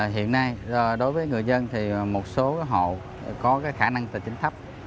hiện nay đối với người dân thì một số hộ có khả năng tài chính thấp